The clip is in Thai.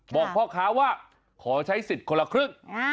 บอกพ่อค้าว่าขอใช้สิทธิ์คนละครึ่ง